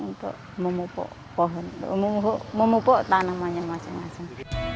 untuk memupuk pohon memupuk tanamannya masing masing